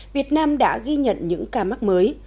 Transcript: việt nam đã ghi nhận những ca mắc mới